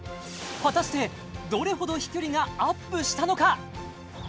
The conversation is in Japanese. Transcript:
果たしてどれほど飛距離がアップしたのか？